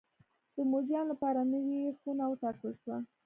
د موزیم لپاره نوې خونه وټاکل شوه.